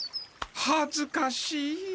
はずかしい。